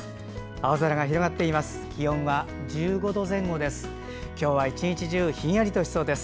青空が広がっています。